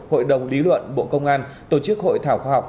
hội đồng lý luận bộ công an tổ chức hội thảo khoa học